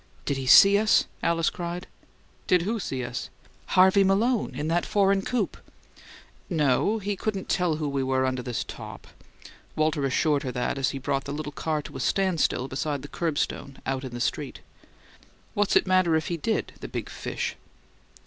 "Did he SEE us?" Alice cried. "Did who see us?" "Harvey Malone in that foreign coupe." "No; he couldn't tell who we were under this top," Walter assured her as he brought the little car to a standstill beside the curbstone, out in the street. "What's it matter if he did, the big fish?"